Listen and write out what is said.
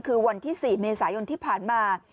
คือวันที่๔เมษายนที่ผ่านมา